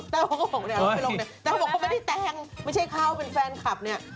แต่ว่าไม่ได้แต่งไม่ใช่เค้าเป็นแฟนคับเนี่ย